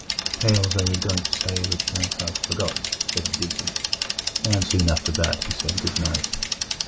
"Tales, I was going to say, which I have forgotten," said the deacon; and soon after that he said good night.